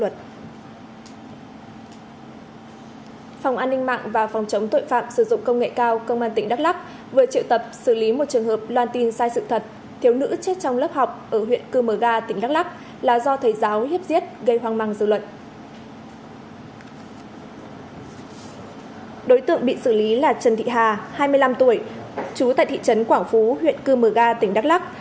trần thị hà hai mươi năm tuổi trú tại thị trấn quảng phú huyện cư mờ ga tỉnh đắk lắk